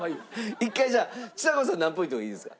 一回じゃあちさ子さん何ポイントがいいですか？